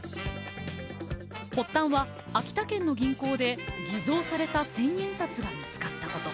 発端は秋田県の銀行で偽造された千円札が見つかったこと。